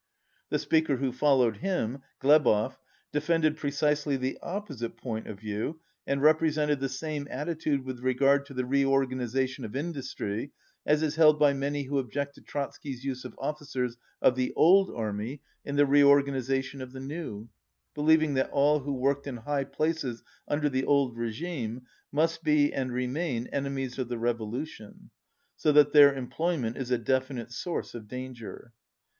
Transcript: The speaker who followed him, Glebov, de fended precisely the opposite point of view and represented the same attitude with regard to the re organization of industry as is held by many who object to Trotsky's use of ofHcers of the old army in the re organization of the new, believing that all who worked in high places under the old regime must be and remain enemies of the revo lution, so that their employment is a definite source of danger.